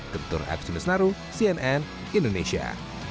ketur aksinus naro cnn indonesia